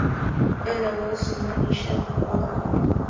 Dola kouu sumonishel bogol